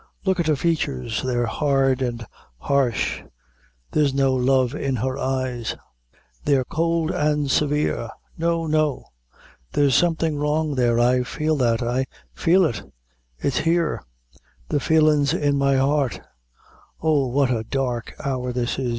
Look at her features, they're hard and harsh there's no love in her eyes they're cowld and sevare. No, no; there's something wrong there I feel that I feel it it's here the feelin's in my heart oh, what a dark hour this is!